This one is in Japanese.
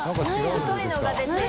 太いのが出てる。